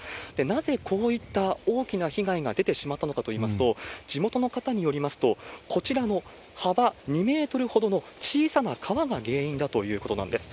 なぜこういった大きな被害が出てしまったのかといいますと、地元の方によりますと、こちらの幅２メートルほどの小さな川が原因だということなんです。